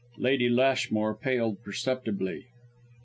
Lady Lashmore paled perceptibly.